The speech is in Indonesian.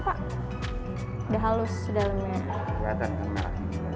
sudah halus di dalamnya